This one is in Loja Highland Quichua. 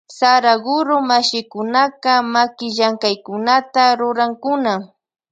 Saraguro mashikunaka makillamkaykunata rurankuna.